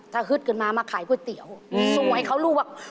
ทะฮึดขึ้นมามาขายก๋วยเตี๋ยวสู่ไว้เขารู้ว่า